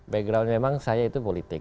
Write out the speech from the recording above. background memang saya itu politik